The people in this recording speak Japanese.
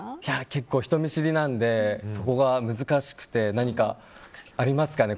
結構、人見知りなのでそこが難しくて何かありますかね